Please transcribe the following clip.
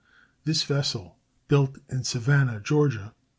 This vessel, built in Savannah, Ga.